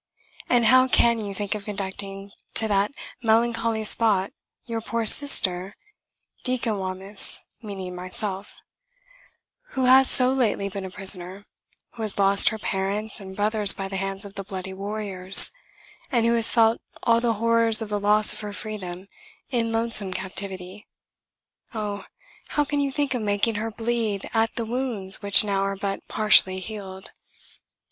And how can you think of conducting to that melancholy spot your poor sister Dickewamis, (meaning myself), who has so lately been a prisoner, who has lost her parents and brothers by the hands of the bloody warriors, and who has felt all the horrors of the loss of her freedom, in lonesome captivity? Oh! how can you think of making her bleed at the wounds which now are but partially healed?